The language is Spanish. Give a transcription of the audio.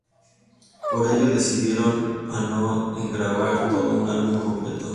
Por ello, decidirían o no en grabar todo un álbum completo.